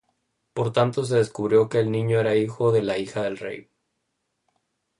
Por tanto se descubrió que el niño era hijo de la hija del rey.